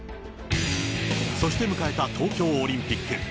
そして迎えた東京オリンピック。